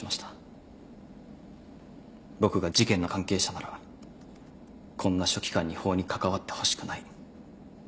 僕が事件の関係者ならこんな書記官に法に関わってほしくない。